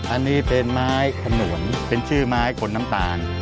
อันนี้เป็นไม้ขนวนเป็นชื่อไม้ขนน้ำตาล